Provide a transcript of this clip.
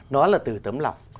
nó là từ tấm lòng